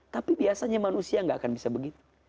tapi biasanya manusia gak akan bisa begitu